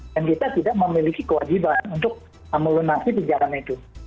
dan kita tidak memiliki kewajiban untuk melunasi pinjaman itu